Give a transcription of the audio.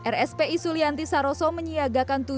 rspi sulianti saroso menyiapkan